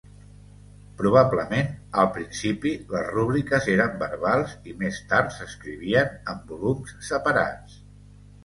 Probablement, al principi, les rúbriques eren verbals i més tard s'escrivien en volums separats.